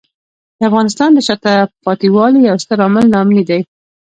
د افغانستان د شاته پاتې والي یو ستر عامل ناامني دی.